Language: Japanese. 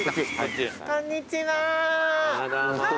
こんにちは。